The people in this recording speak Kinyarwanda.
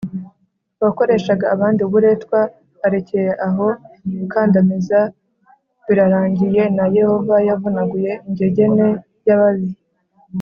Uwakoreshaga abandi uburetwa arekeye aho gukandamiza birarangiye n Yehova yavunaguye ingegene y ababi